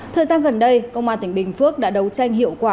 thời gian gần đây công an tỉnh bình phước đã đấu tranh hiệu quả